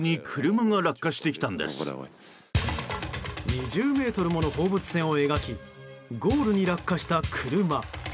２０ｍもの放物線を描きゴールに落下した車。